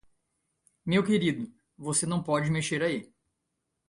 Meu querido, você não pode mexer aí.